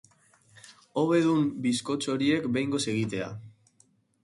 Hobe dun bizkotxo horiek behingoz egitea.